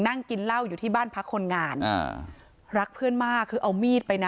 นั่งกินเหล้าอยู่ที่บ้านพักคนงานอ่ารักเพื่อนมากคือเอามีดไปนะ